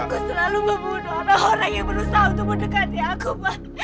aku selalu membunuh orang yang berusaha untuk mendekati aku